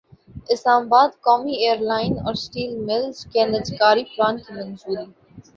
اسلام باد قومی ایئرلائن اور اسٹیل ملزکے نجکاری پلان کی منظوری